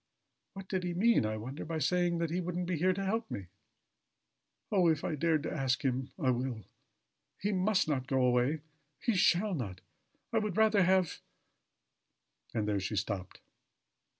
"What did he mean, I wonder, by saying that he wouldn't be here to help me? Oh! if I dared to ask him! I will! He must not go away. He shall not. I would rather have " And there she stopped.